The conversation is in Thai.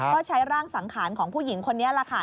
ก็ใช้ร่างสังขารของผู้หญิงคนนี้แหละค่ะ